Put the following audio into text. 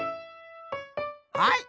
はい！